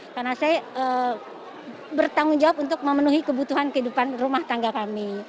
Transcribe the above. karena saya bertanggung jawab untuk memenuhi kebutuhan kehidupan rumah tangga kami